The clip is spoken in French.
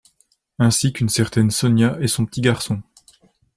Ainsi qu'une certaine Sonia et son petit garçon.